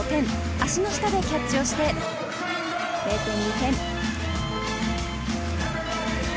足の下でキャッチして０．２点。